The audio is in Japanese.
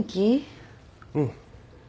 うん。